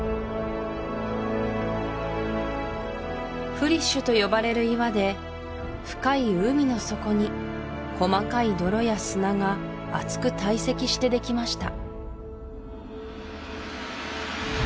フリッシュとよばれる岩で深い海の底に細かい泥や砂が厚く堆積してできました